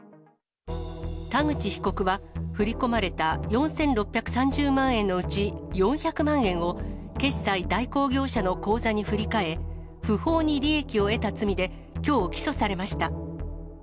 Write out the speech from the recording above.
田口被告は、振り込まれた４６３０万円のうち４００万円を、決済代行業者の口座に振り替え、不法に利益を得た罪で、きょう起訴されました。